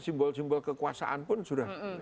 simbol simbol kekuasaan pun sudah